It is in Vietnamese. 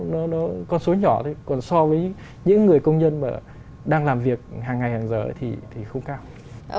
nó con số nhỏ thế còn so với những người công nhân mà đang làm việc hàng ngày hàng giờ thì không cao